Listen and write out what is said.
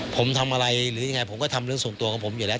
ผมทำอะไรหรือยังไงผมก็ทำเรื่องส่วนตัวของผมอยู่แล้ว